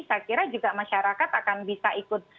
saya kira juga masyarakat akan bisa ikut